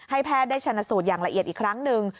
แพทย์ได้ชนะสูตรอย่างละเอียดอีกครั้งหนึ่ง